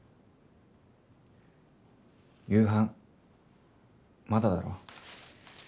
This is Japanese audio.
夕飯まだだろ？